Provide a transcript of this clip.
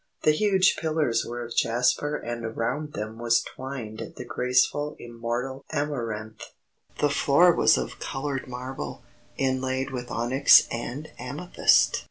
The huge pillars were of jasper and around them was twined the graceful immortal amaranth. The floor was of coloured marble, inlaid with onyx and amethyst.